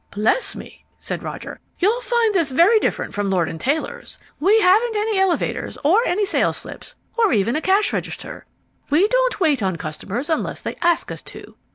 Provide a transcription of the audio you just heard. "Bless me," said Roger, "You'll find this very different from Lord and Taylor's! We haven't any elevators, or any sales slips, or even a cash register. We don't wait on customers unless they ask us to.